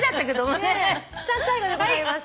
さあ最後でございます。